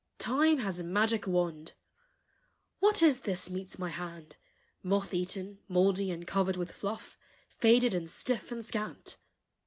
Time has a magic wand! What is this meets my hand, Moth eaten, mouldy, and Covered with fluff, Faded and stiff and scant?